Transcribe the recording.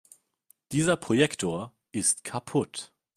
Dieser Projektor ist kaputt.